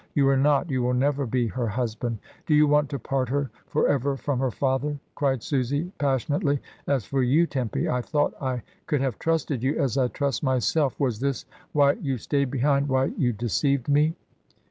You are not, you will never be, her husband. Do you want to part her for ever from her father?" cried Susy, passionately. "As for you, Tempy, I thought I could have trusted you as I trust myself. Was this why you stayed behind, why you deceived me?"